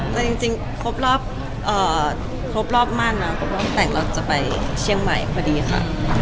แต่ก็ทบรอบมากนะแต่งเราจะไปเฉี่ยงใหม่พอดีค่ะ